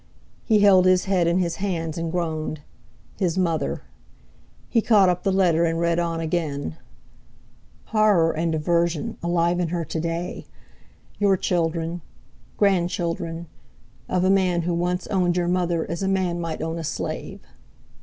He held his head in his hands and groaned. His mother! He caught up the letter and read on again: "horror and aversion alive in her to day.... your children.... grandchildren.... of a man who once owned your mother as a man might own a slave...."